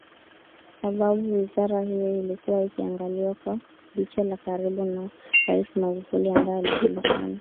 sababu wizara hiyo ilikuwa ikiangaliwa kwa jicho la karibu na Rais Magufuli ambaye alijulikana